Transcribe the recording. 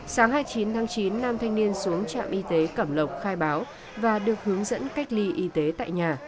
sáng hai mươi chín tháng chín nam thanh niên xuống trạm y tế cẩm lộc khai báo và được hướng dẫn cách ly y tế tại nhà